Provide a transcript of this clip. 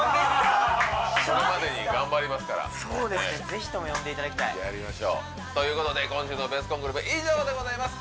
そこまでに頑張りますからぜひとも呼んでいただきたいやりましょうということで今週のベスコングルメ以上でございます